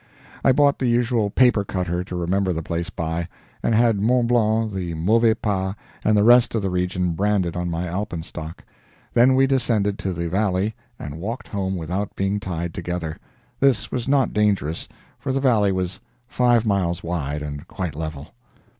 I bought the usual paper cutter to remember the place by, and had Mont Blanc, the Mauvais Pas, and the rest of the region branded on my alpenstock; then we descended to the valley and walked home without being tied together. This was not dangerous, for the valley was five miles wide, and quite level.